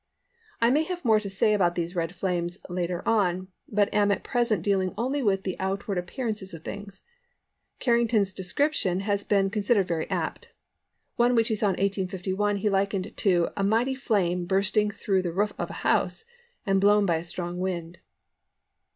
I may have more to say about these Red Flames later on; but am at present dealing only with the outward appearances of things. Carrington's description has been considered very apt. One which he saw in 1851 he likened to "a mighty flame bursting through the roof of a house and blown by a strong wind."